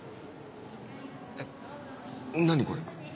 えっ何これ。